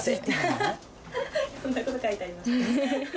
はははそんなこと書いてありました？